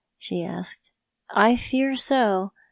" she asked. " I fear so.